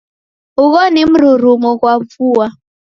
Ugho ni mrurumo ghwa vua?